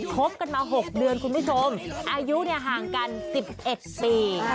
คบกันมา๖เดือนคุณผู้ชมอายุห่างกัน๑๑ปี